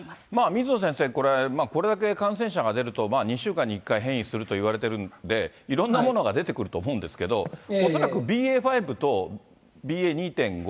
水野先生、これ、これだけ感染者が出ると、２週間に１回、変異するといわれてるんで、いろんなものが出てくると思うんですけれども、恐らくＢＡ．５とＢＡ